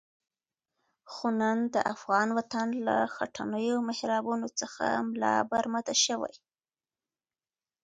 خو نن د افغان وطن له خټینو محرابونو څخه ملا برمته شوی.